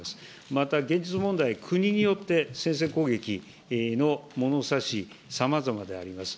また、現実問題、国によって先制攻撃の物差し、さまざまであります。